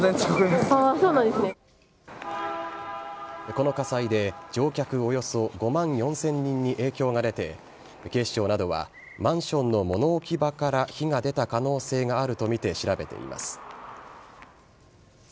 この火災で乗客およそ５万４０００人に影響が出て警視庁などはマンションの物置き場から火が出た可能性があるとみて調べています。